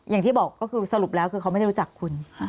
อย่างที่บอกก็คือสรุปแล้วคือเขาไม่ได้รู้จักคุณ